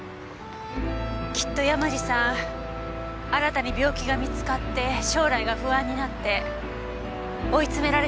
きっと山路さん新たに病気が見つかって将来が不安になって追い詰められていたのね。